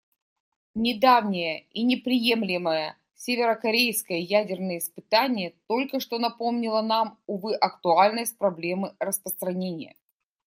Недавнее и неприемлемое северокорейское ядерное испытание только что напомнило нам, увы, актуальность проблемы распространения.